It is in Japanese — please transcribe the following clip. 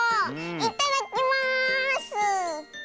いただきます！